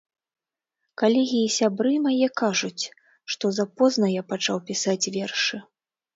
Калегі і сябры мае кажуць, што запозна я пачаў пісаць вершы.